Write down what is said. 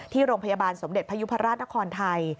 ที่โรงพยาบาลสมเด็จพยุพราชนครไทย